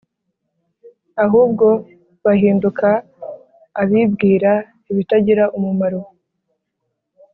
ahubwo bahinduka abibwira ibitagira umumaro